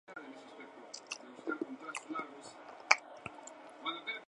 Los uniformes mostraban un color azul intenso en cuello y brazos.